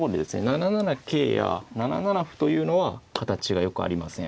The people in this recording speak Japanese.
７七桂や７七歩というのは形がよくありません。